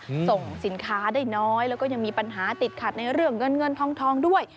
ส่งสินค้าได้น้อยแล้วก็ยังมีปัญหาติดขัดในเรื่องเงินเงินทองทองด้วย